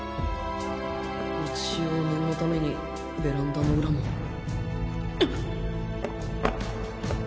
一応念のためにベランダの裏もあっ。